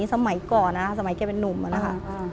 สมัยก่อนนะสมัยแกเป็นนุ่มนะคะ